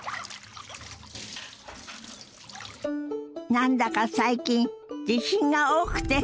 何だか最近地震が多くて。